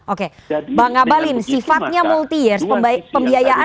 oke bang abalin sifatnya multi years pembiayaan